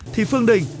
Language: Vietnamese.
thì phương đình